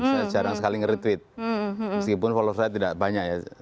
saya jarang sekali nge retweet meskipun follower saya tidak banyak ya